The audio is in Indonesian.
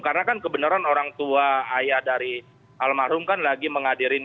karena kan kebenaran orang tua ayah dari almarhum kan lagi menghadiri ini